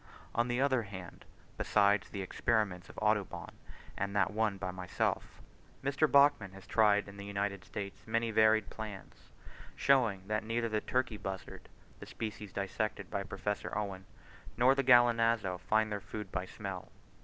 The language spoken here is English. On the other hand, besides the experiments of Audubon and that one by myself, Mr. Bachman has tried in the United States many varied plans, showing that neither the turkey buzzard (the species dissected by Professor Owen) nor the gallinazo find their food by smell.